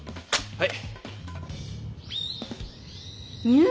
はい。